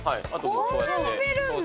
こんな伸びるんだ。